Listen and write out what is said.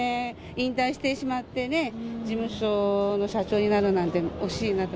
引退してしまってね、事務所の社長になるなんて、惜しいなって。